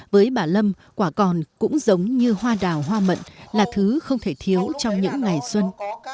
với bà lâm quả còn cũng giống như hoa đào hoa mận là thứ không thể thiếu trong những ngày xuân